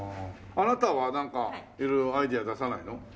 あなたはなんか色々アイデア出さないの？